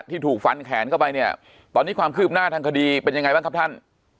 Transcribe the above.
ที่ถูกฟันแขนเข้าไปเนี่ยตอนนี้ความคืบหน้าทางคดีเป็นยังไงบ้างครับท่าน